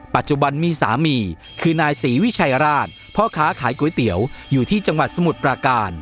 ปัจจุบันมีสามีคือนายศรีวิชัยราชพ่อค้าขายก๋วยเตี๋ยวอยู่ที่จังหวัดสมุทรปราการ